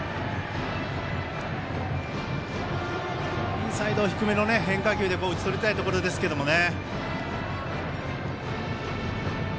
インサイド低めの変化球で打ち取りたいところですけどね。